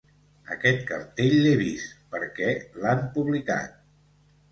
Aquest cartell l’he vist, perquè l’han publicat.